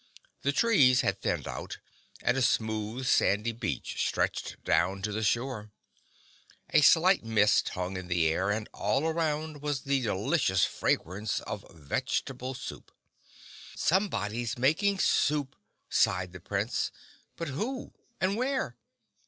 The trees had thinned out, and a smooth, sandy beach stretched down to the shore. A slight mist hung in the air and all around was the delicious fragrance of vegetable soup. "Somebody's making soup," sighed the Prince, "but who, and where?"